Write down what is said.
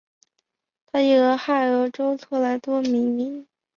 它以俄亥俄州托莱多命名。